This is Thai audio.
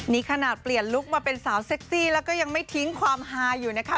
นี่ขนาดเปลี่ยนลุคมาเป็นสาวเซ็กซี่แล้วก็ยังไม่ทิ้งความฮาอยู่นะคะ